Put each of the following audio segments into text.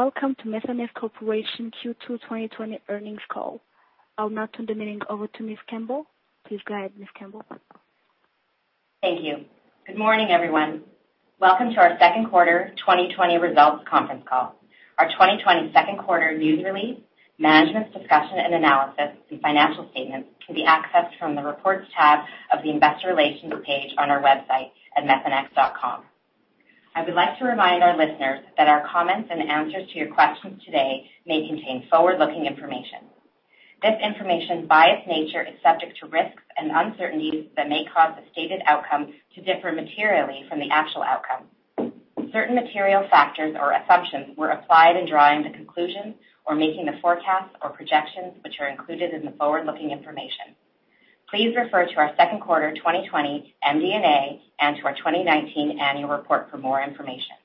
Welcome to Methanex Corporation Q2 2020 earnings call. I'll now turn the meeting over to Ms. Campbell. Please go ahead, Ms. Campbell. Thank you. Good morning, everyone. Welcome to our second quarter 2020 results conference call. Our 2020 second quarter news release, Management's Discussion and Analysis, and financial statements can be accessed from the Reports tab of the investor relations page on our website at methanex.com. I would like to remind our listeners that our comments and answers to your questions today may contain forward-looking information. This information, by its nature, is subject to risks and uncertainties that may cause the stated outcome to differ materially from the actual outcome. Certain material factors or assumptions were applied in drawing the conclusions or making the forecasts or projections, which are included in the forward-looking information. Please refer to our second quarter 2020 MD&A and to our 2019 annual report for more information.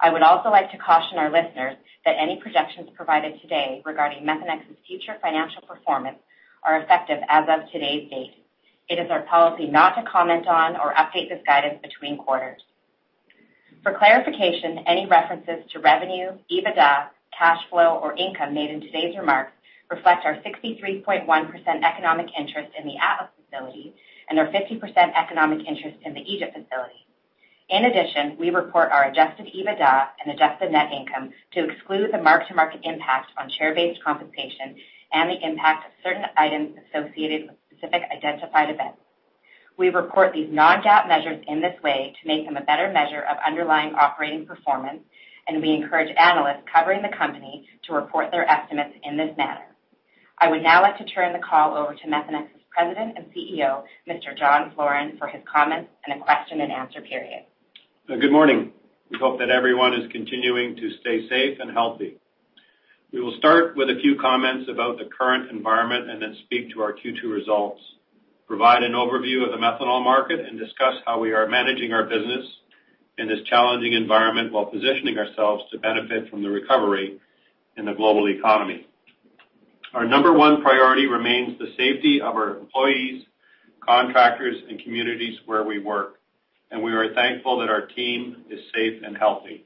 I would also like to caution our listeners that any projections provided today regarding Methanex's future financial performance are effective as of today's date. It is our policy not to comment on or update this guidance between quarters. For clarification, any references to revenue, EBITDA, cash flow, or income made in today's remarks reflect our 63.1% economic interest in the Atlas facility and our 50% economic interest in the Egypt facility. In addition, we report our adjusted EBITDA and adjusted net income to exclude the mark-to-market impact on share-based compensation and the impact of certain items associated with specific identified events. We report these non-GAAP measures in this way to make them a better measure of underlying operating performance. We encourage analysts covering the company to report their estimates in this manner. I would now like to turn the call over to Methanex's President and CEO, Mr. John Floren, for his comments and a question and answer period. Good morning. We hope that everyone is continuing to stay safe and healthy. We will start with a few comments about the current environment and then speak to our Q2 results, provide an overview of the methanol market, and discuss how we are managing our business in this challenging environment while positioning ourselves to benefit from the recovery in the global economy. Our number one priority remains the safety of our employees, contractors, and communities where we work, and we are thankful that our team is safe and healthy.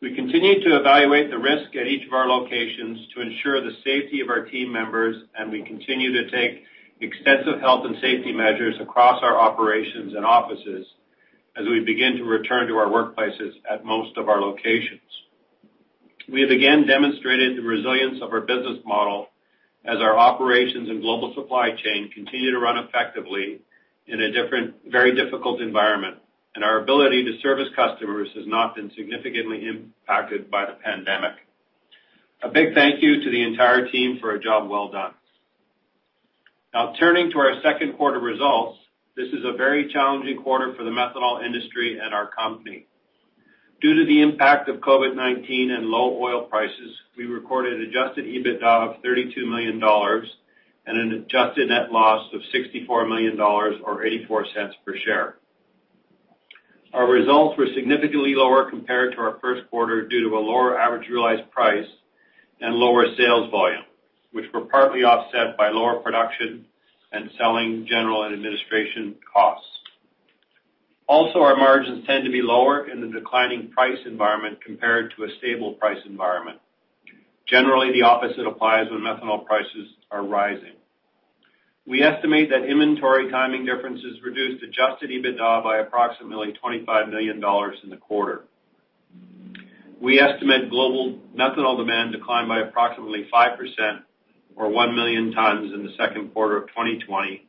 We continue to evaluate the risk at each of our locations to ensure the safety of our team members, and we continue to take extensive health and safety measures across our operations and offices as we begin to return to our workplaces at most of our locations. We have again demonstrated the resilience of our business model as our operations and global supply chain continue to run effectively in a very difficult environment, and our ability to service customers has not been significantly impacted by the pandemic. A big thank you to the entire team for a job well done. Now, turning to our second quarter results, this is a very challenging quarter for the methanol industry and our company. Due to the impact of COVID-19 and low oil prices, we recorded adjusted EBITDA of $32 million and an adjusted net loss of $64 million, or $0.84 per share. Our results were significantly lower compared to our first quarter due to a lower average realized price and lower sales volume, which were partly offset by lower production and selling, general, and administration costs. Also, our margins tend to be lower in the declining price environment compared to a stable price environment. Generally, the opposite applies when methanol prices are rising. We estimate that inventory timing differences reduced adjusted EBITDA by approximately $25 million in the quarter. We estimate global methanol demand declined by approximately 5%, or 1 million tons, in the second quarter of 2020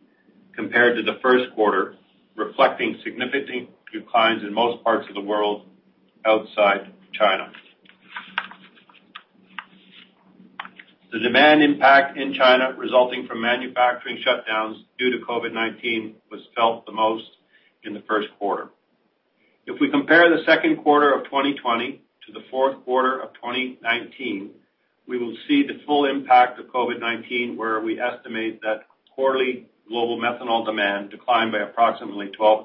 compared to the first quarter, reflecting significant declines in most parts of the world outside China. The demand impact in China resulting from manufacturing shutdowns due to COVID-19 was felt the most in the first quarter. If we compare the second quarter of 2020 to the fourth quarter of 2019, we will see the full impact of COVID-19, where we estimate that quarterly global methanol demand declined by approximately 12%,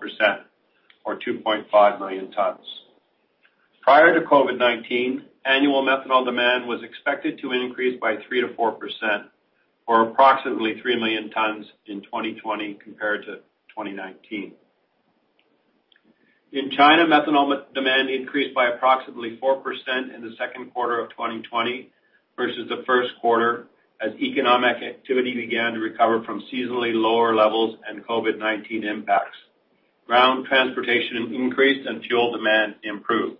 or 2.5 million tons. Prior to COVID-19, annual methanol demand was expected to increase by 3%-4%, or approximately 3 million tons in 2020 compared to 2019. In China, methanol demand increased by approximately 4% in the second quarter of 2020 versus the first quarter, as economic activity began to recover from seasonally lower levels and COVID-19 impacts. Ground transportation increased and fuel demand improved.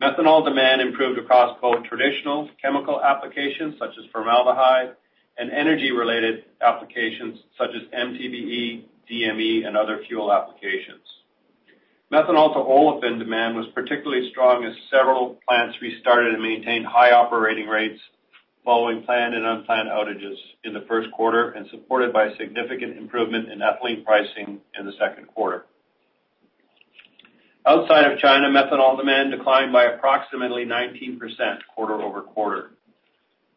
Methanol demand improved across both traditional chemical applications, such as formaldehyde, and energy-related applications such as MTBE, DME, and other fuel applications. Methanol to olefin demand was particularly strong as several plants restarted and maintained high operating rates following planned and unplanned outages in the first quarter and supported by significant improvement in ethylene pricing in the second quarter. Outside of China, methanol demand declined by approximately 19% quarter-over-quarter.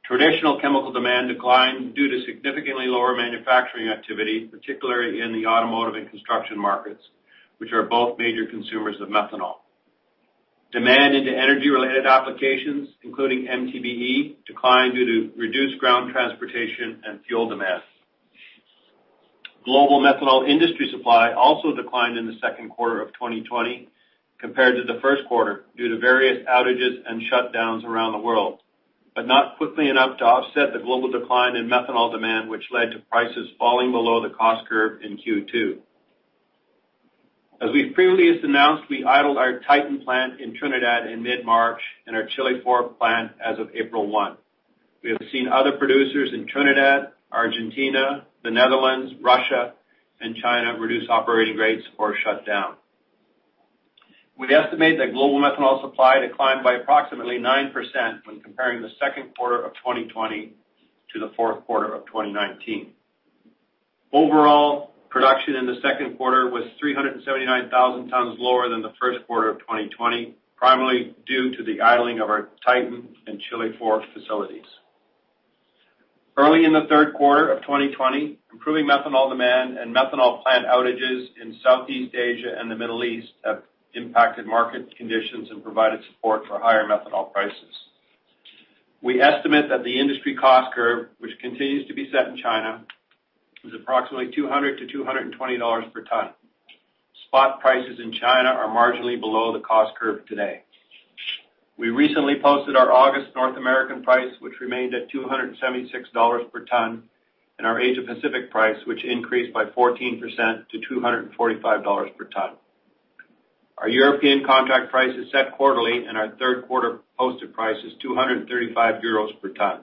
Traditional chemical demand declined due to significantly lower manufacturing activity, particularly in the automotive and construction markets, which are both major consumers of methanol. Demand into energy-related applications, including MTBE, declined due to reduced ground transportation and fuel demand. Global methanol industry supply also declined in the second quarter of 2020 compared to the first quarter due to various outages and shutdowns around the world, but not quickly enough to offset the global decline in methanol demand, which led to prices falling below the cost curve in Q2. As we've previously announced, we idled our Titan plant in Trinidad in mid-March and our Chile 4 plant as of April 1. We have seen other producers in Trinidad, Argentina, the Netherlands, Russia, and China reduce operating rates or shut down. We estimate that global methanol supply declined by approximately 9% when comparing the second quarter of 2020 to the fourth quarter of 2019. Overall, production in the second quarter was 379,000 tons lower than the first quarter of 2020, primarily due to the idling of our Titan and Chile 4 facilities. Early in the third quarter of 2020, improving methanol demand and methanol plant outages in Southeast Asia and the Middle East have impacted market conditions and provided support for higher methanol prices. We estimate that the industry cost curve, which continues to be set in China, is approximately $200-$220 per ton. Spot prices in China are marginally below the cost curve today. We recently posted our August North American price, which remained at $276 per ton, and our Asia Pacific price, which increased by 14% to $245 per ton. Our European contract price is set quarterly, and our third quarter posted price is 235 euros per ton.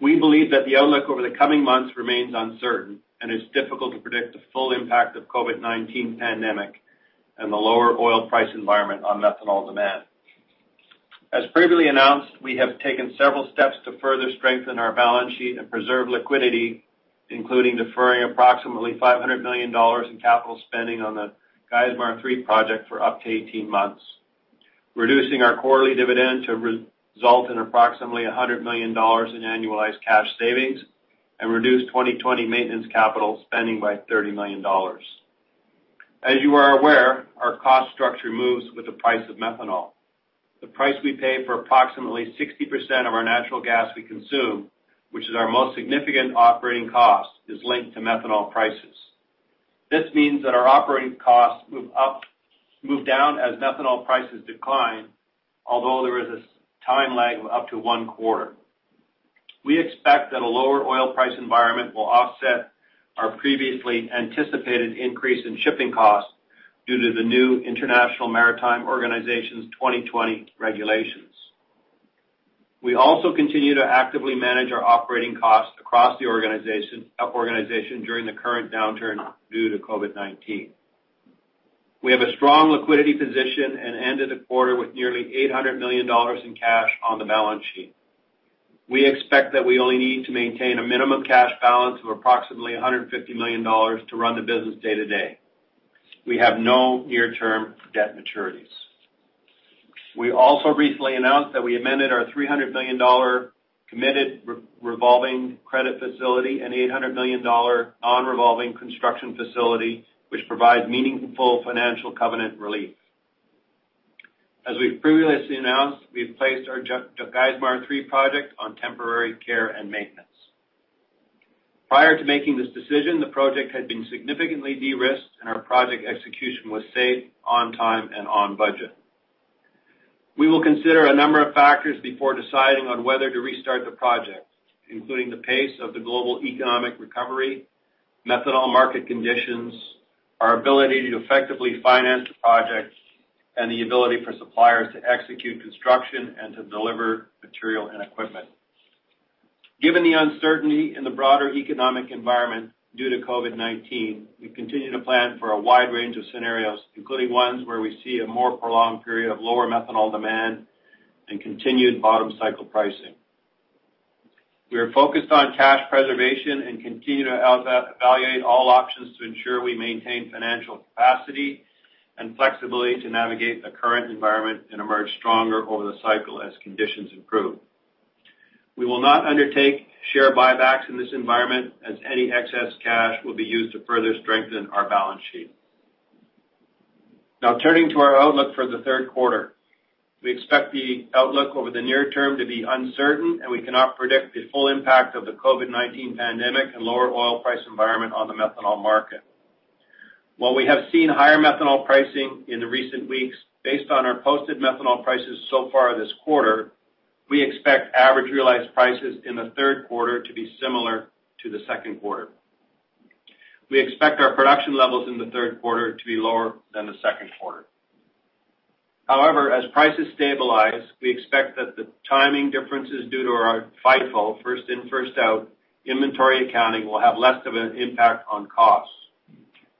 We believe that the outlook over the coming months remains uncertain, and it's difficult to predict the full impact of COVID-19 pandemic and the lower oil price environment on methanol demand. As previously announced, we have taken several steps to further strengthen our balance sheet and preserve liquidity, including deferring approximately $500 million in capital spending on the Geismar 3 project for up to 18 months, reducing our quarterly dividend to result in approximately $100 million in annualized cash savings, and reduce 2020 maintenance capital spending by $30 million. As you are aware, our cost structure moves with the price of methanol. The price we pay for approximately 60% of our natural gas we consume, which is our most significant operating cost, is linked to methanol prices. This means that our operating costs move down as methanol prices decline, although there is a time lag of up to one quarter. We expect that a lower oil price environment will offset our previously anticipated increase in shipping costs due to the new International Maritime Organization's 2020 regulations. We also continue to actively manage our operating costs across the organization during the current downturn due to COVID-19. We have a strong liquidity position and ended the quarter with nearly $800 million in cash on the balance sheet. We expect that we only need to maintain a minimum cash balance of approximately $150 million to run the business day to day. We have no near-term debt maturities. We also recently announced that we amended our $300 million committed revolving credit facility and $800 million non-revolving construction facility, which provides meaningful financial covenant relief. As we've previously announced, we've placed our Geismar 3 project on temporary care and maintenance. Prior to making this decision, the project had been significantly de-risked, and our project execution was safe, on time, and on budget. We will consider a number of factors before deciding on whether to restart the project, including the pace of the global economic recovery, methanol market conditions, our ability to effectively finance the project, and the ability for suppliers to execute construction and to deliver material and equipment. Given the uncertainty in the broader economic environment due to COVID-19, we continue to plan for a wide range of scenarios, including ones where we see a more prolonged period of lower methanol demand and continued bottom cycle pricing. We are focused on cash preservation and continue to evaluate all options to ensure we maintain financial capacity and flexibility to navigate the current environment and emerge stronger over the cycle as conditions improve. We will not undertake share buybacks in this environment, as any excess cash will be used to further strengthen our balance sheet. Turning to our outlook for the third quarter. We expect the outlook over the near term to be uncertain, and we cannot predict the full impact of the COVID-19 pandemic and lower oil price environment on the methanol market. While we have seen higher methanol pricing in the recent weeks, based on our posted methanol prices so far this quarter, we expect average realized prices in the third quarter to be similar to the second quarter. We expect our production levels in the third quarter to be lower than the second quarter. However, as prices stabilize, we expect that the timing differences due to our FIFO, first in, first out inventory accounting will have less of an impact on costs.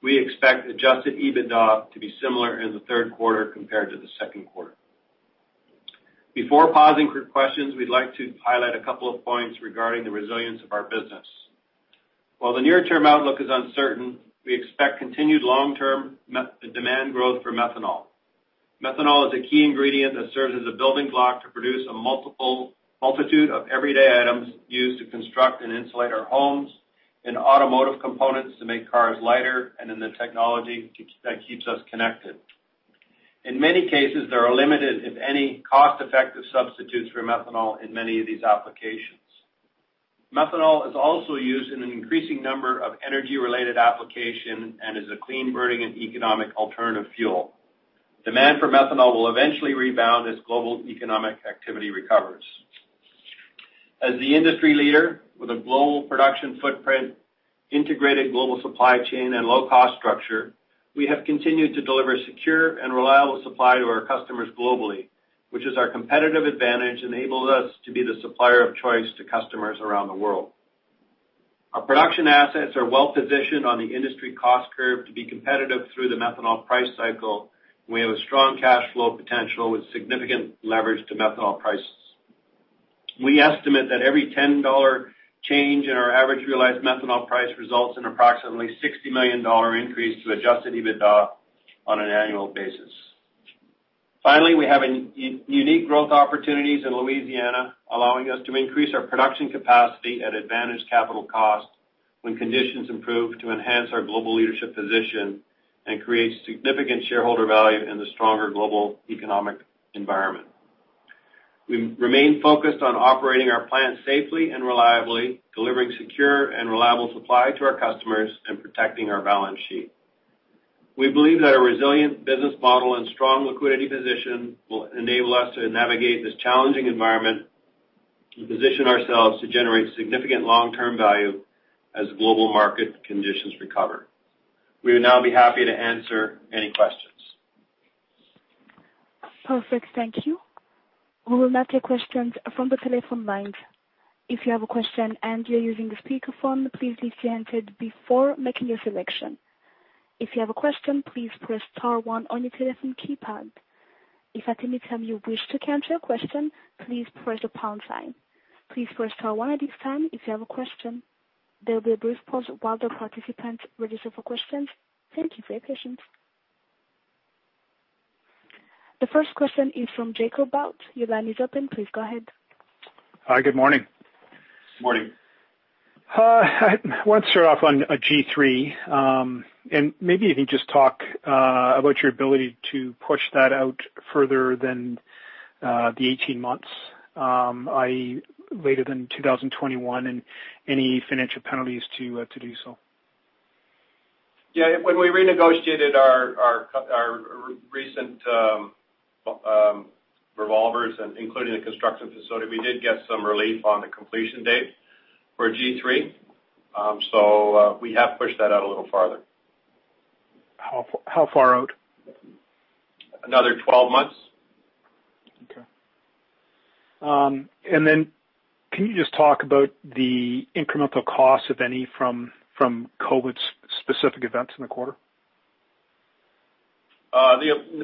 We expect adjusted EBITDA to be similar in the third quarter compared to the second quarter. Before pausing for questions, we'd like to highlight a couple of points regarding the resilience of our business. While the near-term outlook is uncertain, we expect continued long-term demand growth for methanol. Methanol is a key ingredient that serves as a building block to produce a multitude of everyday items used to construct and insulate our homes and automotive components to make cars lighter and in the technology that keeps us connected. In many cases, there are limited, if any, cost-effective substitutes for methanol in many of these applications. Methanol is also used in an increasing number of energy-related application and is a clean-burning and economic alternative fuel. Demand for methanol will eventually rebound as global economic activity recovers. As the industry leader with a global production footprint, integrated global supply chain, and low-cost structure, we have continued to deliver secure and reliable supply to our customers globally, which is our competitive advantage enabled us to be the supplier of choice to customers around the world. Our production assets are well-positioned on the industry cost curve to be competitive through the methanol price cycle. We have a strong cash flow potential with significant leverage to methanol prices. We estimate that every $10 change in our average realized methanol price results in approximately $60 million increase to adjusted EBITDA on an annual basis. Finally, we have unique growth opportunities in Louisiana, allowing us to increase our production capacity at advantaged capital costs when conditions improve to enhance our global leadership position and create significant shareholder value in the stronger global economic environment. We remain focused on operating our plants safely and reliably, delivering secure and reliable supply to our customers, and protecting our balance sheet. We believe that a resilient business model and strong liquidity position will enable us to navigate this challenging environment and position ourselves to generate significant long-term value as global market conditions recover. We would now be happy to answer any questions. Perfect. Thank you. We will now take questions from the telephone lines. If you have a question and you're using the speakerphone, please disengage before making your selection. If you have a question, please press star one on your telephone keypad. If at any time you wish to cancel your question, please press the pound sign. Please press star one at this time if you have a question. There will be a brief pause while the participants register for questions. Thank you for your patience. The first question is from Jacob Bout. Your line is open. Please go ahead. Hi, good morning. Morning. I want to start off on G3. Maybe if you just talk about your ability to push that out further than the 18 months, i.e., later than 2021, and any financial penalties to do so. Yeah. When we renegotiated our recent revolvers, including the construction facility, we did get some relief on the completion date for G3. We have pushed that out a little farther. How far out? Another 12 months. Okay. Can you just talk about the incremental cost, if any, from COVID's specific events in the quarter?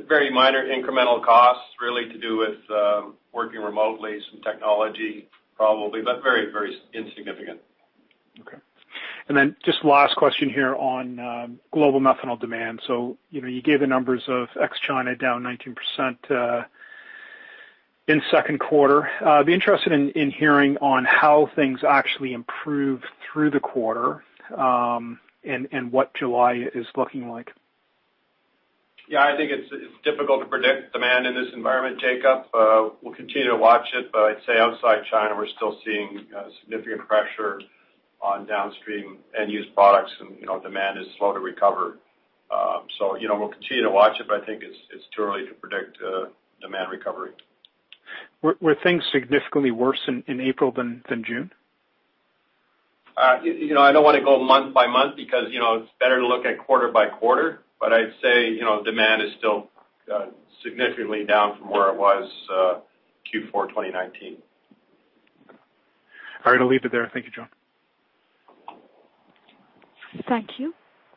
Very minor incremental costs really to do with working remotely, some technology probably, but very insignificant. Okay. Just last question here on global methanol demand. You gave the numbers of ex-China down 19% in second quarter. I'd be interested in hearing on how things actually improved through the quarter, and what July is looking like. Yeah. I think it's difficult to predict demand in this environment, Jacob. We'll continue to watch it, but I'd say outside China, we're still seeing significant pressure on downstream end-use products and demand is slow to recover. We'll continue to watch it, but I think it's too early to predict demand recovery. Were things significantly worse in April than June? I don't want to go month by month because it's better to look at quarter by quarter, but I'd say demand is still significantly down from where it was Q4 2019. All right. I'll leave it there. Thank you, John. Thank you.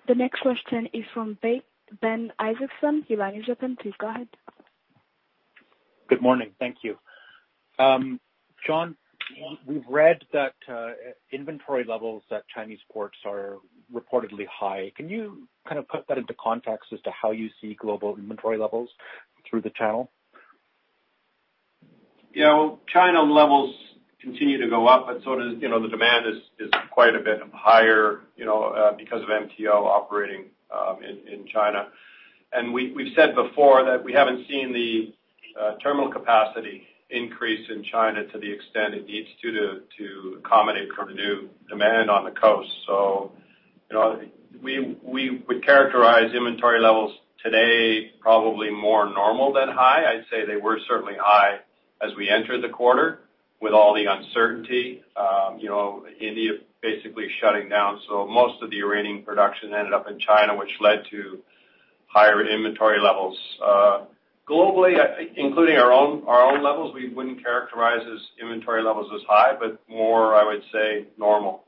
The next question is from Ben Isaacson. Your line is open. Please go ahead. Good morning. Thank you. John, we've read that inventory levels at Chinese ports are reportedly high. Can you kind of put that into context as to how you see global inventory levels through the channel? Well, China levels continue to go up, but the demand is quite a bit higher because of MTO operating in China. We've said before that we haven't seen the terminal capacity increase in China to the extent it needs to accommodate kind of new demand on the coast. We would characterize inventory levels today probably more normal than high. I'd say they were certainly high as we entered the quarter with all the uncertainty, India basically shutting down. Most of the Iranian production ended up in China, which led to higher inventory levels. Globally, including our own levels, we wouldn't characterize inventory levels as high, but more, I would say, normal.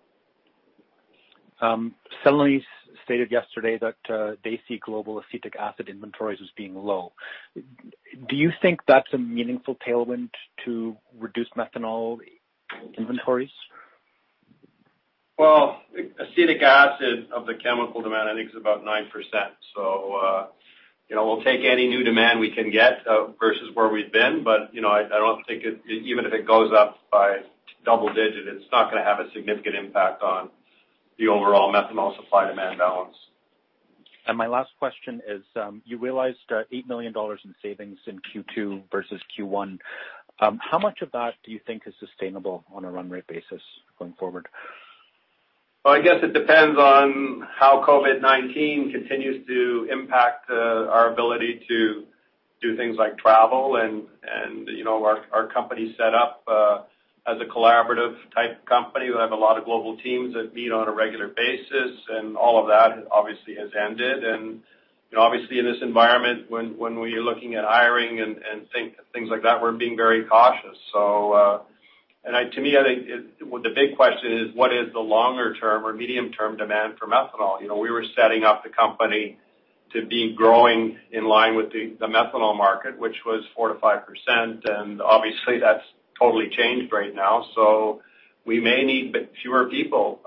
Celanese stated yesterday that they see global acetic acid inventories as being low. Do you think that's a meaningful tailwind to reduce methanol inventories? Well, acetic acid of the chemical demand, I think, is about 9%. We'll take any new demand we can get versus where we've been. I don't think even if it goes up by double digit, it's not gonna have a significant impact on the overall methanol supply-demand balance. My last question is, you realized $8 million in savings in Q2 versus Q1. How much of that do you think is sustainable on a run rate basis going forward? I guess it depends on how COVID-19 continues to impact our ability to do things like travel. Our company set up as a collaborative type company. We have a lot of global teams that meet on a regular basis, and all of that obviously has ended. Obviously, in this environment, when we're looking at hiring and things like that, we're being very cautious. To me, I think the big question is. What is the longer-term or medium-term demand for methanol? We were setting up the company to be growing in line with the methanol market, which was 4%-5%, and obviously, that's totally changed right now. We may need fewer people,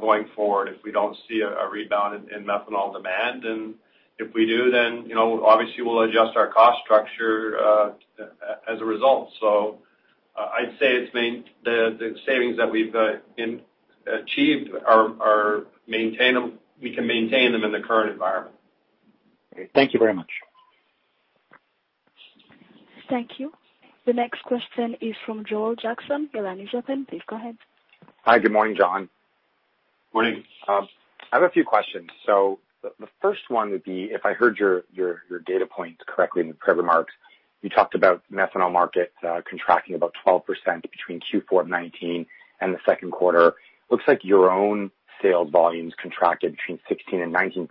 going forward, if we don't see a rebound in methanol demand. If we do, then, obviously, we'll adjust our cost structure as a result. I'd say the savings that we've achieved, we can maintain them in the current environment. Okay. Thank you very much. Thank you. The next question is from Joel Jackson, Your line is open. Please go ahead. Hi. Good morning, John. Morning. I have a few questions. The first one would be, if I heard your data points correctly in the pre-remarks, you talked about methanol markets contracting about 12% between Q4 of 2019 and the second quarter. Looks like your own sales volumes contracted between 16% and 19%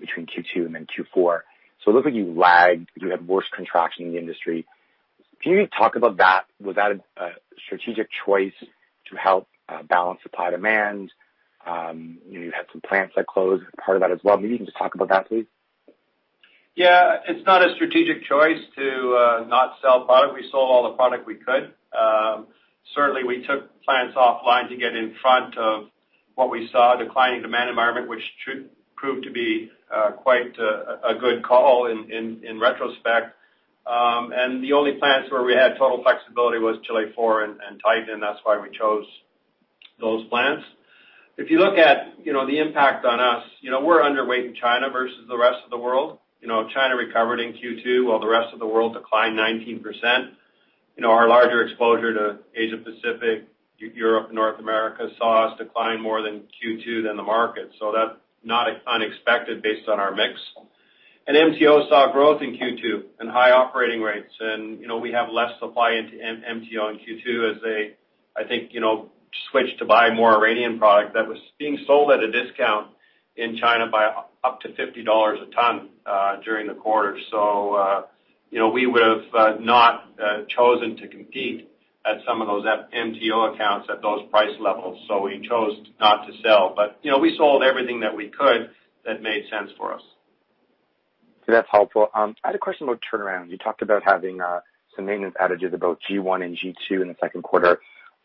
between Q2 and then Q4. It looks like you lagged, you had worse contraction in the industry. Can you talk about that? Was that a strategic choice to help balance supply-demand? You had some plants that closed as part of that as well. Maybe you can just talk about that, please. Yeah. It's not a strategic choice to not sell product. We sold all the product we could. Certainly, we took plants offline to get in front of what we saw, a declining demand environment, which proved to be quite a good call in retrospect. The only plants where we had total flexibility was Chile 4 and Titan. That's why we chose those plants. If you look at the impact on us, we're underweight in China versus the rest of the world. China recovered in Q2 while the rest of the world declined 19%. Our larger exposure to Asia-Pacific, Europe, and North America saw us decline more than Q2 than the market. That's not unexpected based on our mix. MTO saw growth in Q2 and high operating rates. We have less supply into MTO in Q2 as they, I think, switched to buy more Iranian product that was being sold at a discount in China by up to $50 a ton during the quarter. We would've not chosen to compete at some of those MTO accounts at those price levels. We chose not to sell, but we sold everything that we could that made sense for us. That's helpful. I had a question about turnaround. You talked about having some maintenance outages at both G1 and G2 in the second quarter.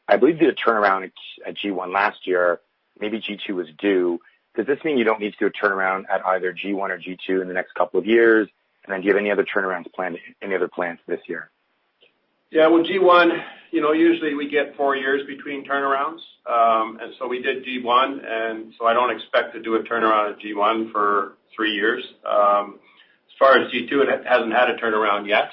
I believe you had a turnaround at G1 last year. Maybe G2 was due. Does this mean you don't need to do a turnaround at either G1 or G2 in the next couple of years? Do you have any other turnarounds planned, any other plans this year? Yeah. Well, G1, usually we get four years between turnarounds. We did G1, I don't expect to do a turnaround at G1 for three years. As far as G2, it hasn't had a turnaround yet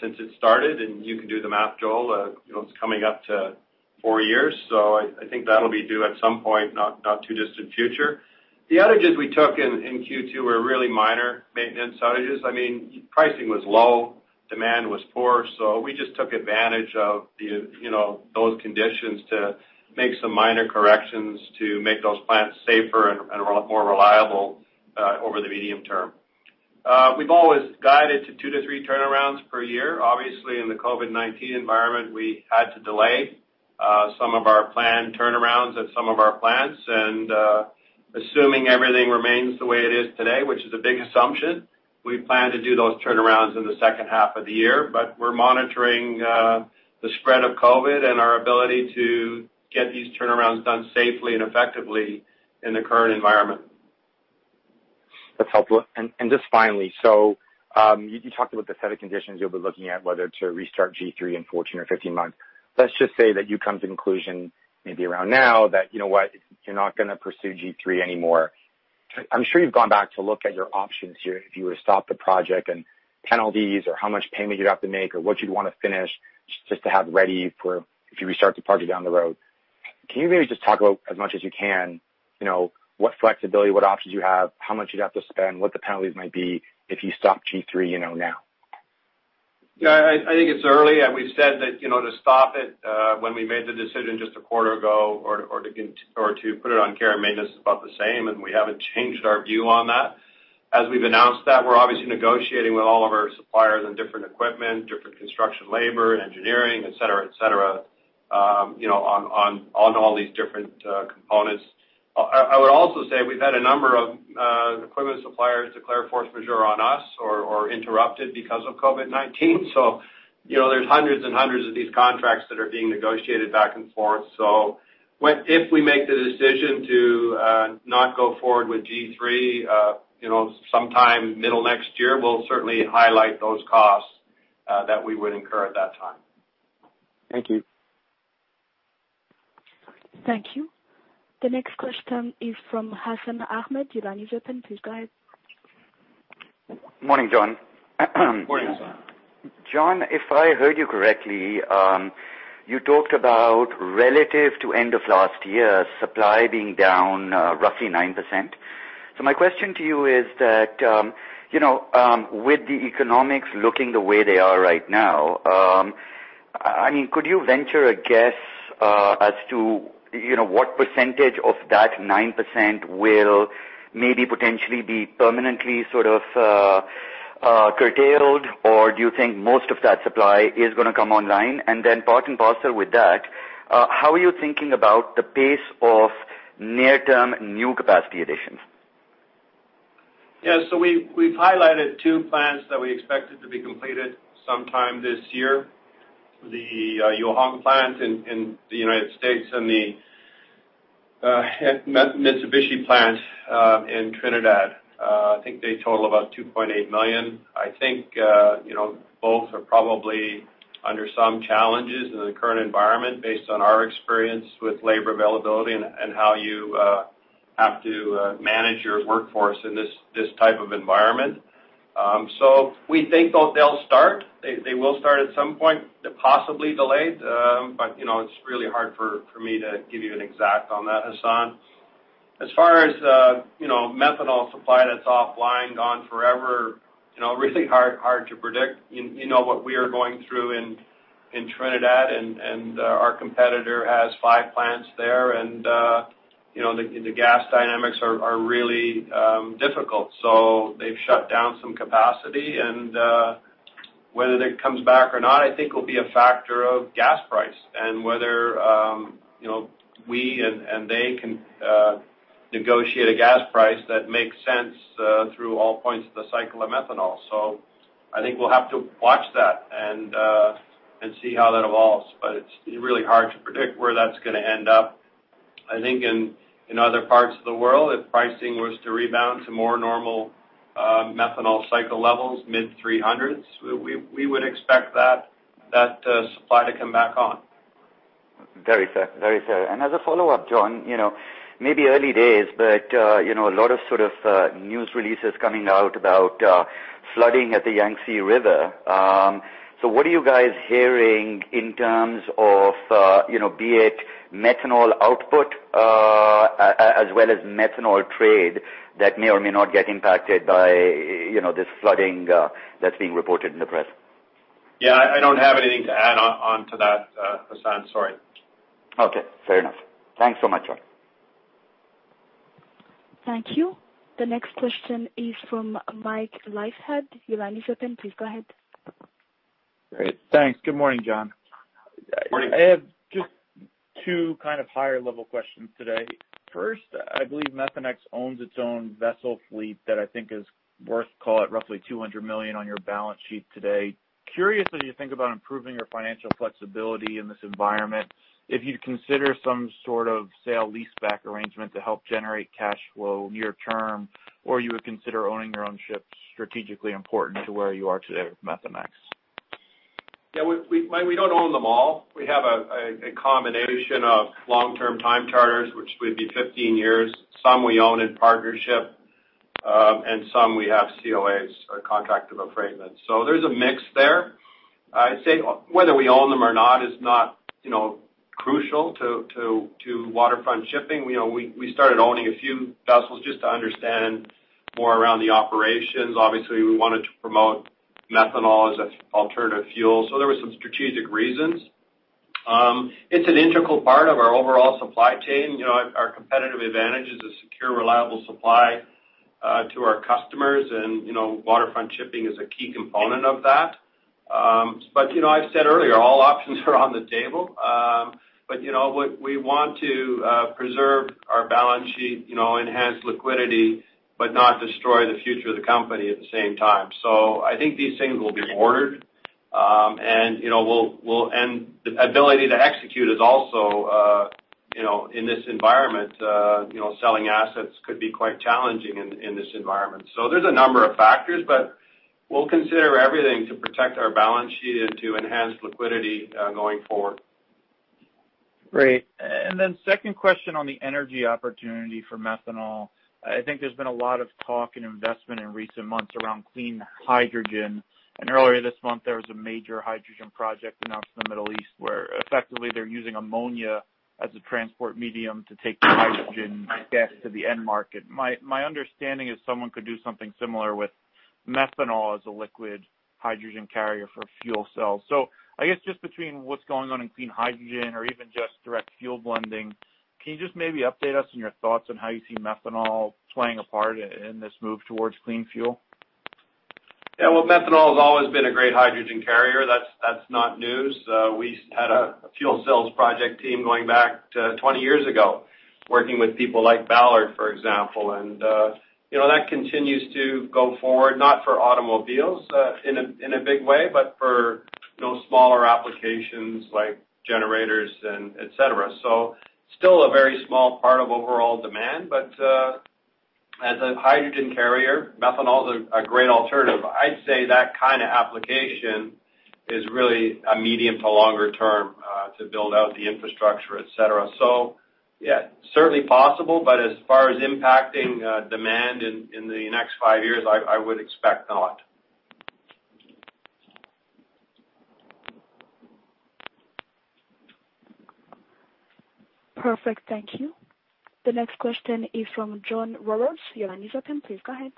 since it started, and you can do the math, Joel. It's coming up to four years. I think that'll be due at some point, not too distant future. The outages we took in Q2 were really minor maintenance outages. Pricing was low, demand was poor, so we just took advantage of those conditions to make some minor corrections to make those plants safer and more reliable over the medium term. We've always guided to 2 to 3 turnarounds per year. Obviously, in the COVID-19 environment, we had to delay some of our planned turnarounds at some of our plants. Assuming everything remains the way it is today, which is a big assumption, we plan to do those turnarounds in the second half of the year. We're monitoring the spread of COVID-19 and our ability to get these turnarounds done safely and effectively in the current environment. That's helpful. Just finally, you talked about the set of conditions you'll be looking at whether to restart G3 in 14 or 15 months. Let's just say that you come to conclusion maybe around now that you know what? You're not going to pursue G3 anymore. I'm sure you've gone back to look at your options here if you were to stop the project and penalties or how much payment you'd have to make or what you'd want to finish just to have ready for if you restart the project down the road. Can you maybe just talk about as much as you can, what flexibility, what options you have, how much you'd have to spend, what the penalties might be if you stop G3 now? Yeah, I think it's early, and we've said that to stop it, when we made the decision just a quarter ago, or to put it on care and maintenance is about the same, and we haven't changed our view on that. As we've announced that, we're obviously negotiating with all of our suppliers on different equipment, different construction labor, engineering, etc. On all these different components. I would also say we've had a number of equipment suppliers declare force majeure on us or interrupted because of COVID-19. There's hundreds and hundreds of these contracts that are being negotiated back and forth. If we make the decision to not go forward with G3, sometime middle of next year, we'll certainly highlight those costs that we would incur at that time. Thank you. Thank you. The next question is from Hassan Ahmed, your line is open. Please go ahead. Morning, John. Morning, Hassan. John, if I heard you correctly, you talked about relative to end of last year, supply being down roughly 9%. My question to you is that, with the economics looking the way they are right now, could you venture a guess as to what percentage of that 9% will maybe potentially be permanently sort of curtailed, or do you think most of that supply is going to come online? Part and parcel with that, how are you thinking about the pace of near-term new capacity additions? Yeah. We've highlighted two plants that we expected to be completed sometime this year, the YCI Methanol One in the United States and the Mitsubishi plant in Trinidad. I think they total about 2.8 million tons. I think both are probably under some challenges in the current environment based on our experience with labor availability and how you have to manage your workforce in this type of environment. We think they'll start. They will start at some point, possibly delayed. It's really hard for me to give you an exact on that, Hassan. As far as methanol supply that's offline, gone forever, really hard to predict. You know what we are going through in Trinidad, and our competitor has five plants there, and the gas dynamics are really difficult. They've shut down some capacity, and whether that comes back or not, I think will be a factor of gas price and whether we and they can negotiate a gas price that makes sense through all points of the cycle of methanol. I think we'll have to watch that and see how that evolves. It's really hard to predict where that's going to end up. I think in other parts of the world, if pricing was to rebound to more normal methanol cycle levels, mid-300s, we would expect that supply to come back on. Very fair. As a follow-up, John, maybe early days, but a lot of sort of news releases coming out about flooding at the Yangtze River. What are you guys hearing in terms of, be it methanol output as well as methanol trade that may or may not get impacted by this flooding that's being reported in the press? Yeah, I don't have anything to add on to that, Hassan. Sorry. Okay, fair enough. Thanks so much, John. Thank you. The next question is from Michael Leithead. Your line is open. Please go ahead. Great. Thanks. Good morning, John. Morning. I have just two kind of higher-level questions today. First, I believe Methanex owns its own vessel fleet that I think is worth, call it, roughly $200 million on your balance sheet today. Curious what you think about improving your financial flexibility in this environment, if you'd consider some sort of sale-lease back arrangement to help generate cash flow near term, or you would consider owning your own ships strategically important to where you are today with Methanex. Mike, we don't own them all. We have a combination of long-term time charters, which would be 15 years. Some we own in partnership, and some we have COAs or contracts of affreightment. There's a mix there. I'd say, whether we own them or not is not crucial to Waterfront Shipping. We started owning a few vessels just to understand more around the operations. Obviously, we wanted to promote methanol as an alternative fuel. There were some strategic reasons. It's an integral part of our overall supply chain. Our competitive advantage is a secure, reliable supply to our customers, and Waterfront Shipping is a key component of that. I said earlier, all options are on the table. We want to preserve our balance sheet, enhance liquidity, but not destroy the future of the company at the same time. I think these things will be ordered. The ability to execute is also in this environment. Selling assets could be quite challenging in this environment. There's a number of factors, but we'll consider everything to protect our balance sheet and to enhance liquidity going forward. Great. Then second question on the energy opportunity for methanol. I think there's been a lot of talk and investment in recent months around clean hydrogen. Earlier this month, there was a major hydrogen project announced in the Middle East where effectively they're using ammonia as a transport medium to take the hydrogen gas to the end market. My understanding is someone could do something similar with methanol as a liquid hydrogen carrier for fuel cells. I guess just between what's going on in clean hydrogen or even just direct fuel blending, can you just maybe update us on your thoughts on how you see methanol playing a part in this move towards clean fuel? Yeah. Well, methanol has always been a great hydrogen carrier. That's not news. We had a fuel cells project team going back to 20 years ago, working with people like Ballard, for example. That continues to go forward, not for automobiles in a big way, but for smaller applications like generators and et cetera. Still a very small part of overall demand, but as a hydrogen carrier, methanol is a great alternative. I'd say that kind of application is really a medium to longer term, to build out the infrastructure, et cetera. Yeah, certainly possible, but as far as impacting demand in the next five years, I would expect not. Perfect. Thank you. The next question is from John Roberts. Your line is open. Please go ahead.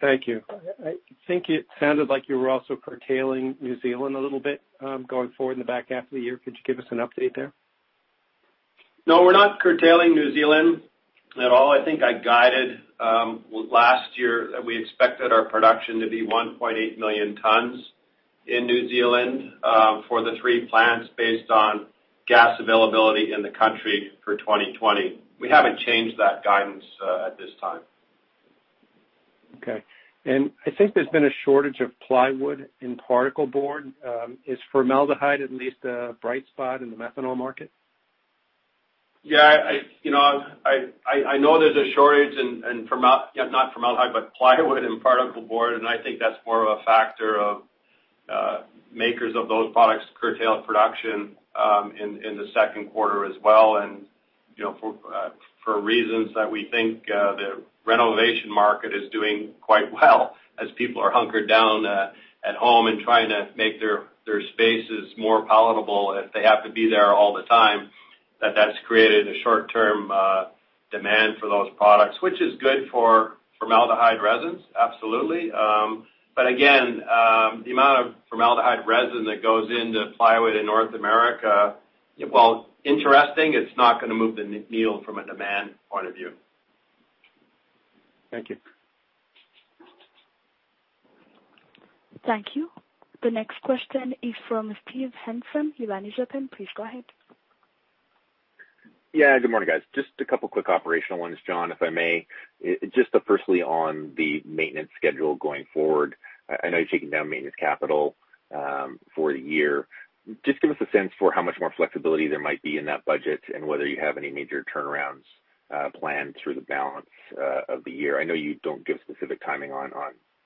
Thank you. I think it sounded like you were also curtailing New Zealand a little bit, going forward in the back half of the year. Could you give us an update there? No, we're not curtailing New Zealand at all. I think I guided last year that we expected our production to be 1.8 million tons in New Zealand, for the three plants based on gas availability in the country for 2020. We haven't changed that guidance, at this time. Okay. I think there's been a shortage of plywood and particleboard. Is formaldehyde at least a bright spot in the methanol market? Yeah. I know there's a shortage in, not formaldehyde, but plywood and particleboard, I think that's more of a factor of makers of those products curtail production in the second quarter as well. For reasons that we think the renovation market is doing quite well as people are hunkered down at home and trying to make their spaces more palatable if they have to be there all the time, that's created a short-term demand for those products. Which is good for formaldehyde resins, absolutely. Again, the amount of formaldehyde resin that goes into plywood in North America, while interesting, it's not going to move the needle from a demand point of view. Thank you. Thank you. The next question is from Steve Hansen. Your line is open. Please go ahead. Yeah. Good morning, guys. A couple quick operational ones, John, if I may. Firstly on the maintenance schedule going forward, I know you're taking down maintenance capital for the year. Give us a sense for how much more flexibility there might be in that budget and whether you have any major turnarounds planned through the balance of the year. I know you don't give specific timing on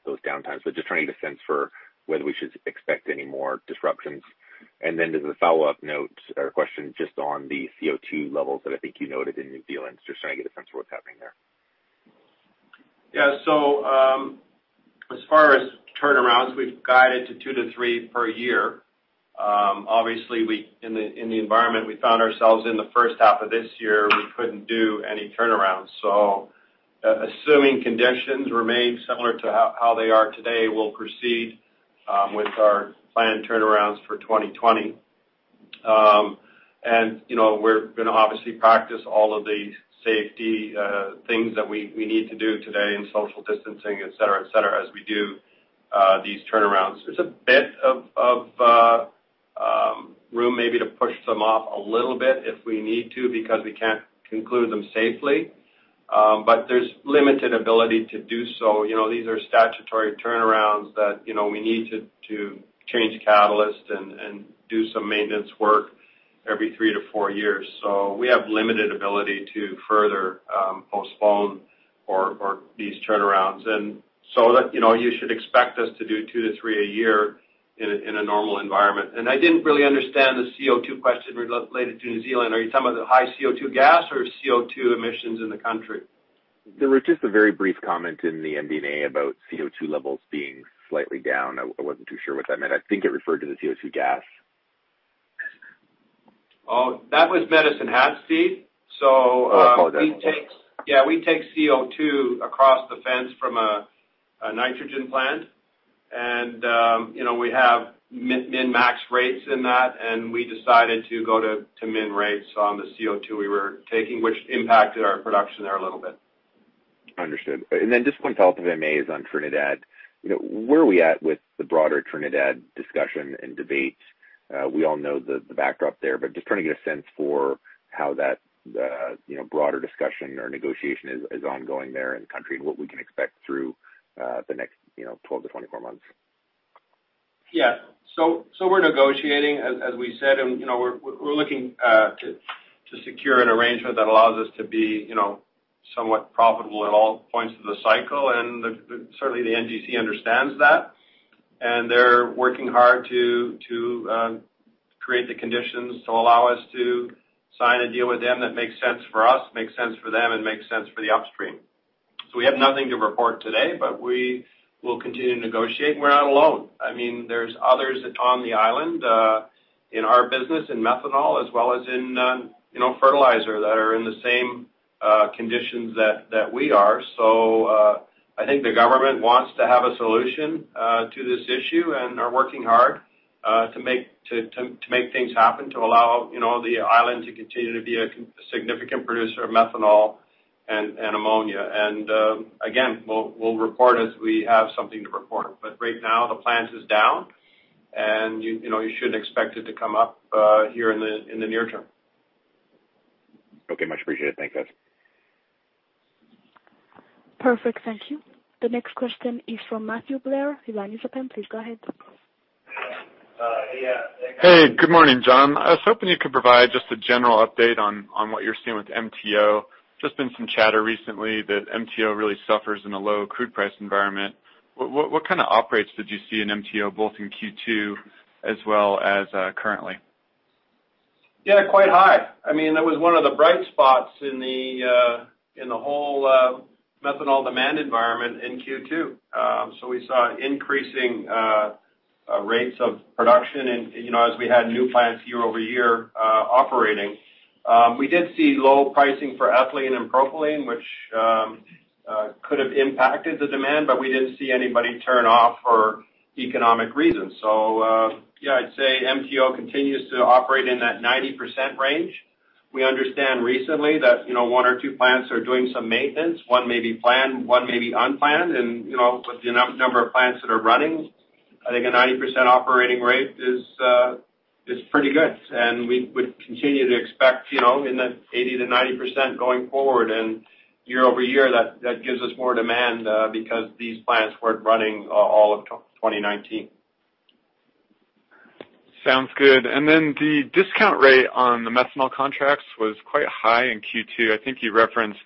those downtimes, just trying to get a sense for whether we should expect any more disruptions. As a follow-up note or question just on the CO2 levels that I think you noted in New Zealand, just trying to get a sense for what's happening there. As far as turnarounds, we've guided to two to three per year. Obviously, in the environment we found ourselves in the first half of this year, we couldn't do any turnarounds. Assuming conditions remain similar to how they are today, we'll proceed with our planned turnarounds for 2020. We're going to obviously practice all of the safety things that we need to do today in social distancing, et cetera, as we do these turnarounds. There's a bit of room maybe to push some off a little bit if we need to because we can't conclude them safely. There's limited ability to do so. These are statutory turnarounds that we need to change catalyst and do some maintenance work every three to four years. We have limited ability to further postpone these turnarounds. You should expect us to do two to three a year in a normal environment. I didn't really understand the CO2 question related to New Zealand. Are you talking about the high CO2 gas or CO2 emissions in the country? There was just a very brief comment in the MD&A about CO2 levels being slightly down. I wasn't too sure what that meant. I think it referred to the CO2 gas. Oh, that was Medicine Hat, Steve. Oh, apologize. Yeah. We take CO2 across the fence from a nitrogen plant and we have min-max rates in that, and we decided to go to min rates on the CO2 we were taking, which impacted our production there a little bit. Understood. Just one follow-up to MA is on Trinidad. Where are we at with the broader Trinidad discussion and debate? We all know the backdrop there, but just trying to get a sense for how that broader discussion or negotiation is ongoing there in the country and what we can expect through the next 12-24 months. We're negotiating, as we said, and we're looking to secure an arrangement that allows us to be somewhat profitable at all points of the cycle. Certainly, the NGC understands that, and they're working hard to create the conditions to allow us to sign a deal with them that makes sense for us, makes sense for them, and makes sense for the upstream. We have nothing to report today, but we will continue to negotiate, and we're not alone. There's others on the island, in our business, in methanol, as well as in fertilizer that are in the same conditions that we are. I think the government wants to have a solution to this issue and are working hard to make things happen to allow the island to continue to be a significant producer of methanol and ammonia. Again, we'll report as we have something to report. Right now, the plant is down, and you shouldn't expect it to come up here in the near term. Okay. Much appreciated. Thank you, guys. Perfect. Thank you. The next question is from Matthew Blair. Your line is open. Please go ahead. Hey, good morning, John. I was hoping you could provide just a general update on what you're seeing with MTO. Just been some chatter recently that MTO really suffers in a low crude price environment. What kind of operations did you see in MTO, both in Q2 as well as currently? Yeah, quite high. It was one of the bright spots in the whole methanol demand environment in Q2. We saw increasing rates of production and as we had new plants year-over-year operating. We did see low pricing for ethylene and propylene, which could have impacted the demand, but we didn't see anybody turn off for economic reasons. Yeah, I'd say MTO continues to operate in that 90% range. We understand recently that one or two plants are doing some maintenance. One may be planned, one may be unplanned. With the number of plants that are running, I think a 90% operating rate is pretty good. We would continue to expect in that 80%-90% going forward. Year-over-year, that gives us more demand, because these plants weren't running all of 2019. Sounds good. Then the discount rate on the methanol contracts was quite high in Q2. I think you referenced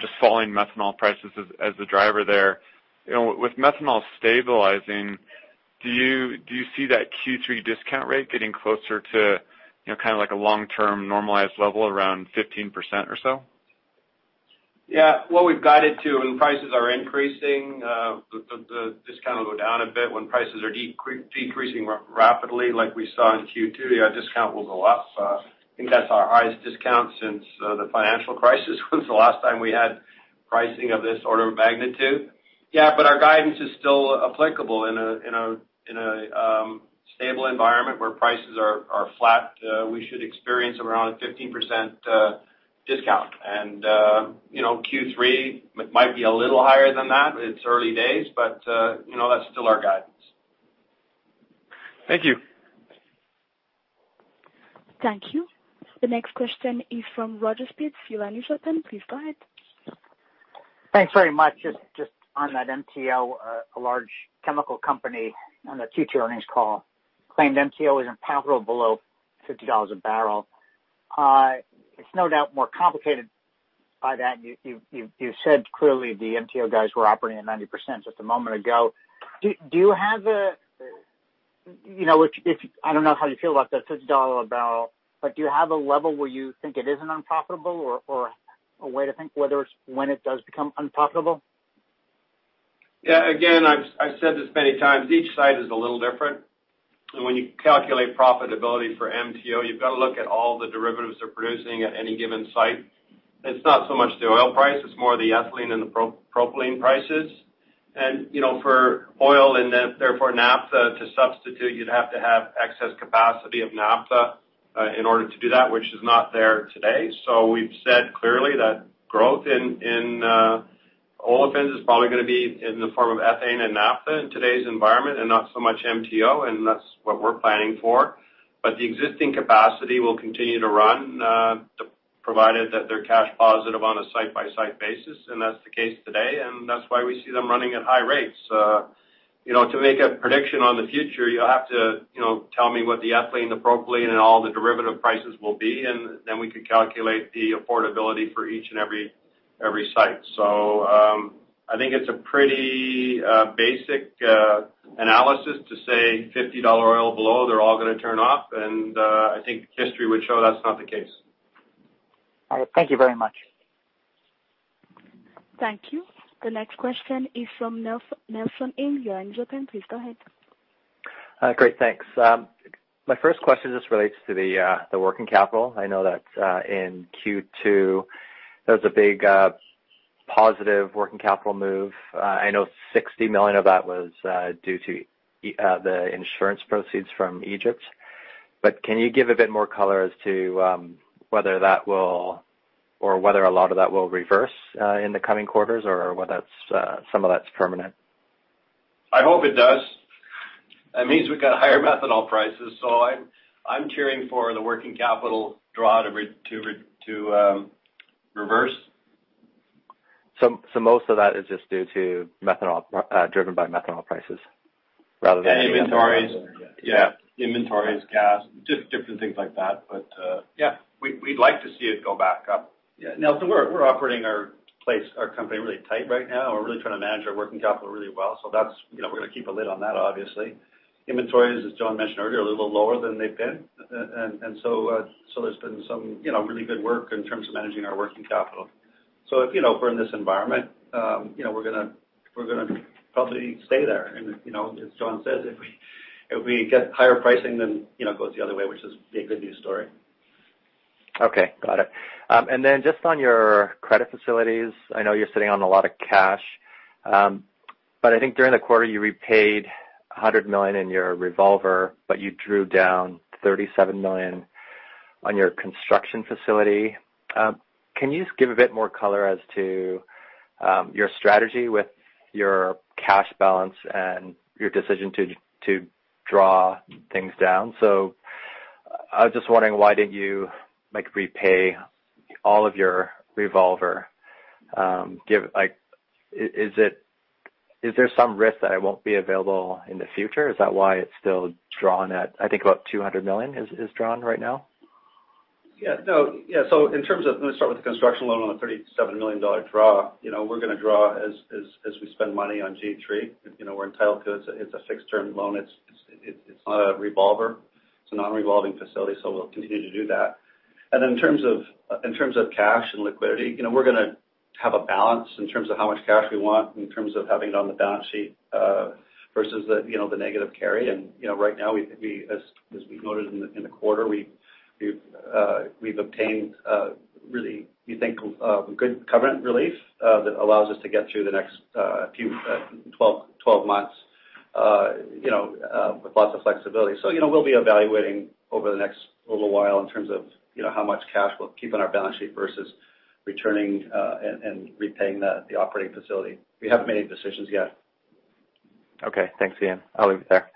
just falling methanol prices as the driver there. With methanol stabilizing, do you see that Q3 discount rate getting closer to a long-term normalized level around 15% or so? Well, we've guided to when prices are increasing, the discount will go down a bit. When prices are decreasing rapidly like we saw in Q2, the discount will go up. I think that's our highest discount since the financial crisis was the last time we had pricing of this order of magnitude. Our guidance is still applicable. In a stable environment where prices are flat, we should experience around a 15% discount. Q3 might be a little higher than that. It's early days, but that's still our guidance. Thank you. Thank you. The next question is from Roger Spitz, Your line is open. Please go ahead. Thanks very much. Just on that MTO, a large chemical company on the Q2 earnings call claimed MTO isn't profitable below $50 a barrel. It's no doubt more complicated by that. You said clearly the MTO guys were operating at 90% just a moment ago. I don't know how you feel about the $50 a barrel. Do you have a level where you think it isn't unprofitable or a way to think whether when it does become unprofitable? Yeah. Again, I've said this many times, each site is a little different. When you calculate profitability for MTO, you've got to look at all the derivatives they're producing at any given site. It's not so much the oil price, it's more the ethylene and the propylene prices. For oil and therefore naphtha to substitute, you'd have to have excess capacity of naphtha in order to do that, which is not there today. We've said clearly that growth in olefins is probably going to be in the form of ethane and naphtha in today's environment, and not so much MTO, and that's what we're planning for. The existing capacity will continue to run, provided that they're cash positive on a site-by-site basis, and that's the case today, and that's why we see them running at high rates. To make a prediction on the future, you'll have to tell me what the ethylene, the propylene, and all the derivative prices will be, and then we can calculate the affordability for each and every site. I think it's a pretty basic analysis to say $50 oil below, they're all gonna turn off, and I think history would show that's not the case. All right. Thank you very much. Thank you. The next question is from Nelson Ng, RBC Capital Markets. Please go ahead. Great, thanks. My first question just relates to the working capital. I know that in Q2, there was a big positive working capital move. I know $60 million of that was due to the insurance proceeds from Egypt. Can you give a bit more color as to whether a lot of that will reverse in the coming quarters or whether some of that's permanent? I hope it does. That means we've got higher methanol prices. I'm cheering for the working capital draw to reverse. Most of that is just due to driven by methanol prices rather than. Inventories. Yeah. Inventories, gas, just different things like that. Yeah, we'd like to see it go back up. Nelson, we're operating our company really tight right now. We're really trying to manage our working capital really well. We're going to keep a lid on that, obviously. Inventories, as John mentioned earlier, are a little lower than they've been. There's been some really good work in terms of managing our working capital. If we're in this environment, we're going to probably stay there. As John says, if we get higher pricing, it goes the other way, which is a good news story. Okay, got it. Just on your credit facilities, I know you're sitting on a lot of cash. I think during the quarter you repaid $100 million in your revolver, but you drew down $37 million on your construction facility. Can you just give a bit more color as to your strategy with your cash balance and your decision to draw things down. I was just wondering why didn't you repay all of your revolver? Is there some risk that it won't be available in the future? Is that why it's still drawn at, I think, about $200 million is drawn right now? Let me start with the construction loan on the $37 million draw. We're going to draw as we spend money on G3. We're entitled to it. It's a fixed-term loan. It's not a revolver. It's a non-revolving facility, so we'll continue to do that. In terms of cash and liquidity, we're going to have a balance in terms of how much cash we want in terms of having it on the balance sheet versus the negative carry. Right now, as we've noted in the quarter, we've obtained really, we think, good covenant relief that allows us to get through the next 12 months with lots of flexibility. We'll be evaluating over the next little while in terms of how much cash we'll keep on our balance sheet versus returning and repaying the operating facility. We haven't made any decisions yet. Okay. Thanks, Ian. I'll leave it there.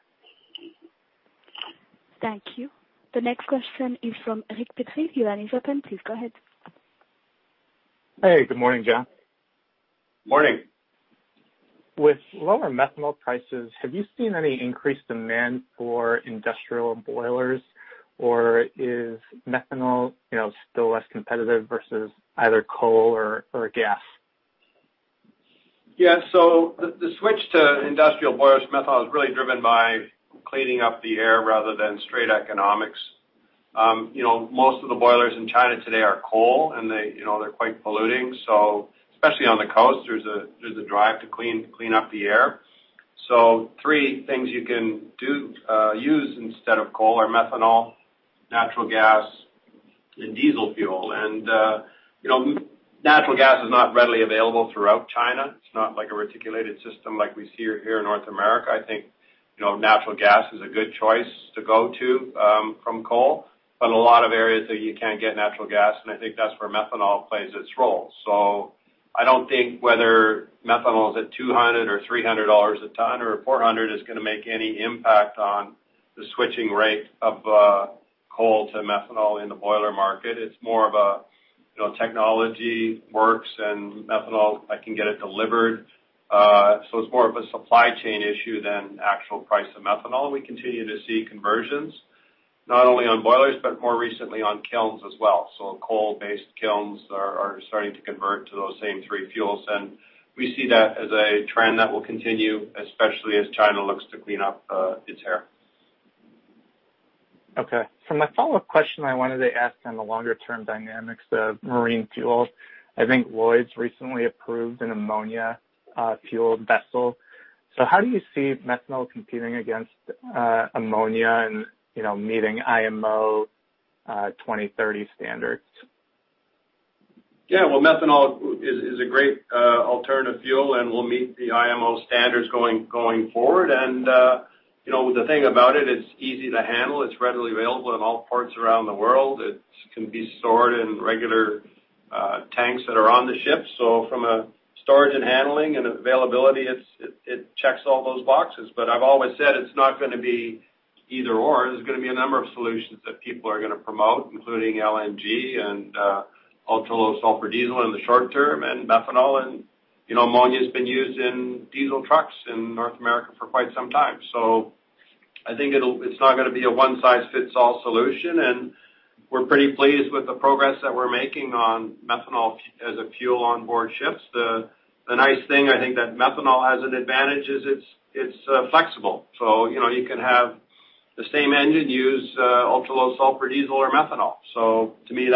Thank you. The next question is from Eric Petrie. Your line is open. Please go ahead. Hey, good morning, John. Morning. With lower methanol prices, have you seen any increased demand for industrial boilers, or is methanol still less competitive versus either coal or gas? Yeah. The switch to industrial boilers methanol is really driven by cleaning up the air rather than straight economics. Most of the boilers in China today are coal. They're quite polluting. Especially on the coast, there's a drive to clean up the air. Three things you can use instead of coal are methanol, natural gas, and diesel fuel. Natural gas is not readily available throughout China. It's not like a reticulated system like we see here in North America. I think natural gas is a good choice to go to from coal. A lot of areas that you can't get natural gas, I think that's where methanol plays its role. I don't think whether methanol is at $200 or $300 a ton or $400 is going to make any impact on the switching rate of coal to methanol in the boiler market. It's more of a technology works and methanol, I can get it delivered. It's more of a supply chain issue than actual price of methanol. We continue to see conversions, not only on boilers, but more recently on kilns as well. Coal-based kilns are starting to convert to those same three fuels, and we see that as a trend that will continue, especially as China looks to clean up its air. Okay. For my follow-up question, I wanted to ask on the longer-term dynamics of marine fuels. I think Lloyd's Register recently approved an ammonia-fueled vessel. How do you see methanol competing against ammonia and meeting IMO 2030 standards? Well, methanol is a great alternative fuel, and will meet the IMO standards going forward. The thing about it's easy to handle. It's readily available in all ports around the world. It can be stored in regular tanks that are on the ship. From a storage and handling and availability, it checks all those boxes. I've always said it's not going to be either/or. There's going to be a number of solutions that people are going to promote, including LNG and ultra-low sulfur diesel in the short term, and methanol. Ammonia's been used in diesel trucks in North America for quite some time. I think it's not going to be a one-size-fits-all solution, and we're pretty pleased with the progress that we're making on methanol as a fuel on board ships. The nice thing, I think, that methanol has an advantage is it's flexible. You can have the same engine use ultra-low sulfur diesel or methanol. To me,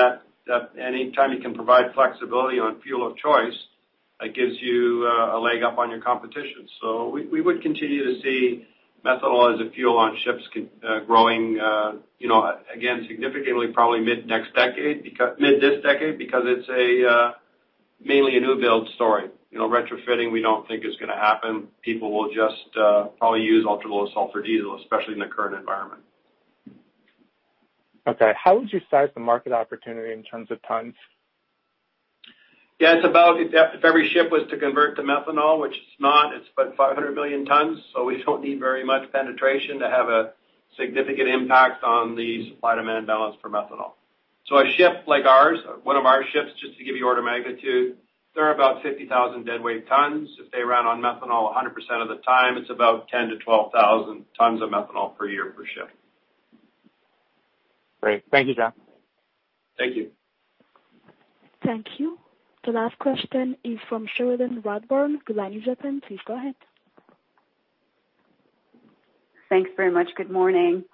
any time you can provide flexibility on fuel of choice, that gives you a leg up on your competition. We would continue to see methanol as a fuel on ships growing, again, significantly, probably mid this decade because it's mainly a new build story. Retrofitting, we don't think is going to happen. People will just probably use ultra-low sulfur diesel, especially in the current environment. Okay. How would you size the market opportunity in terms of tons? Yeah. If every ship was to convert to methanol, which it's not, it's about 500 million tons. We don't need very much penetration to have a significant impact on the supply demand balance for methanol. A ship like ours, one of our ships, just to give you order of magnitude, they're about 50,000 deadweight tons. If they ran on methanol 100% of the time, it's about 10,000-12,000 tons of methanol per year per ship. Great. Thank you, John. Thank you. Thank you. The last question is from Sheridan Radburn. Your line is open. Please go ahead. Thanks very much. Good morning.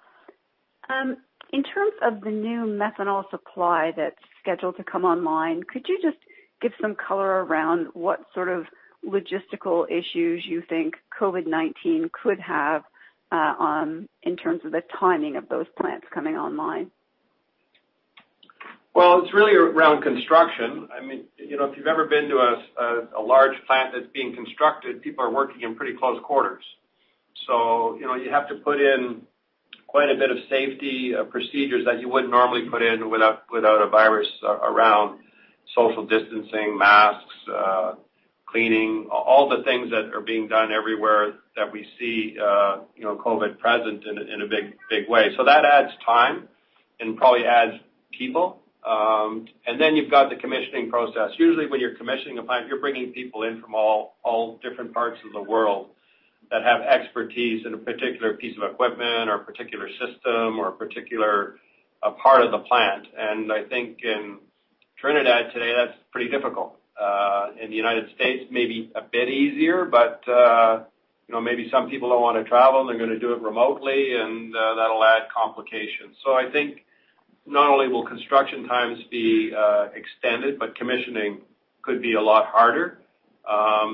In terms of the new methanol supply that's scheduled to come online, could you just give some color around what sort of logistical issues you think COVID-19 could have in terms of the timing of those plants coming online? Well, it's really around construction. If you've ever been to a large plant that's being constructed, people are working in pretty close quarters. You have to put in quite a bit of safety procedures that you wouldn't normally put in without a virus around. Social distancing, masks, cleaning, all the things that are being done everywhere that we see COVID present in a big way. That adds time and probably adds people. Then you've got the commissioning process. Usually, when you're commissioning a plant, you're bringing people in from all different parts of the world that have expertise in a particular piece of equipment or a particular system or a particular part of the plant. I think in Trinidad today, that's pretty difficult. In the United States, maybe a bit easier, but maybe some people don't want to travel, and they're going to do it remotely, and that'll add complications. I think not only will construction times be extended, but commissioning could be a lot harder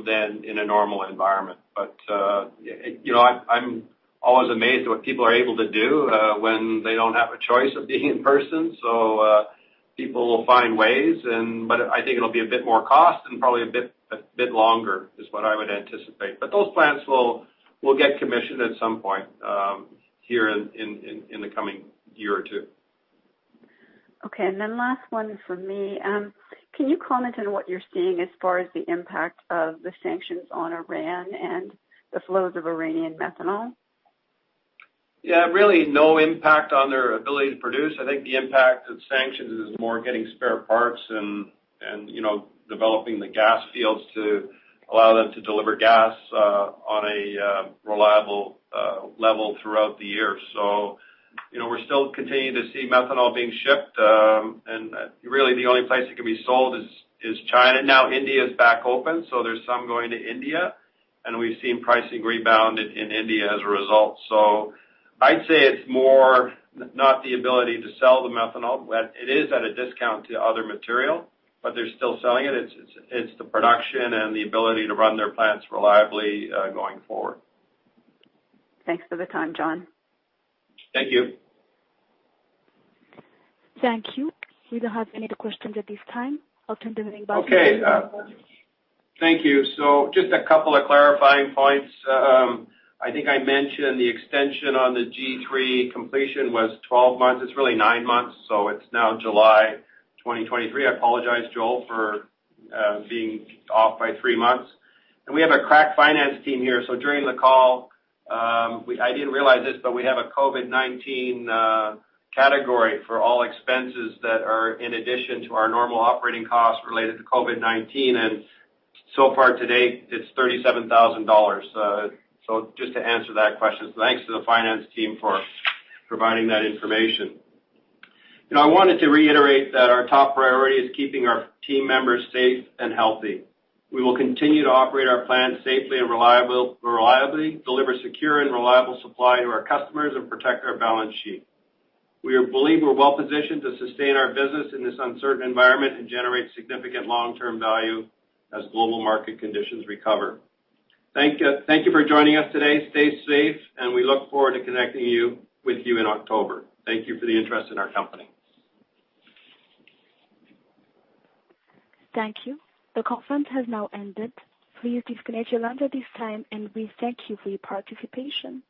than in a normal environment. I'm always amazed at what people are able to do when they don't have a choice of being in person. People will find ways, but I think it'll be a bit more cost and probably a bit longer, is what I would anticipate. Those plants will get commissioned at some point here in the coming year or two. Last one from me. Can you comment on what you're seeing as far as the impact of the sanctions on Iran and the flows of Iranian methanol? Yeah, really no impact on their ability to produce. I think the impact of sanctions is more getting spare parts and developing the gas fields to allow them to deliver gas on a reliable level throughout the year. We're still continuing to see methanol being shipped. Really the only place it can be sold is China. Now India is back open, so there's some going to India, and we've seen pricing rebound in India as a result. I'd say it's more not the ability to sell the methanol. It is at a discount to other material, but they're still selling it. It's the production and the ability to run their plants reliably going forward. Thanks for the time, John. Thank you. Thank you. We don't have any other questions at this time. I'll turn the meeting back to. Okay. Thank you. Just a couple of clarifying points. I think I mentioned the extension on the G3 completion was 12 months. It's really nine months, so it's now July 2023. I apologize, Joel, for being off by three months. We have a crack finance team here, so during the call, I didn't realize this, but we have a COVID-19 category for all expenses that are in addition to our normal operating costs related to COVID-19, and so far to date, it's $37,000. Just to answer that question. Thanks to the finance team for providing that information. I wanted to reiterate that our top priority is keeping our team members safe and healthy. We will continue to operate our plant safely and reliably, deliver secure and reliable supply to our customers, and protect our balance sheet. We believe we're well positioned to sustain our business in this uncertain environment and generate significant long-term value as global market conditions recover. Thank you for joining us today. Stay safe, and we look forward to connecting with you in October. Thank you for the interest in our company. Thank you. The conference has now ended. Please disconnect your lines at this time, and we thank you for your participation.